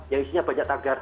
yang isinya banyak tagar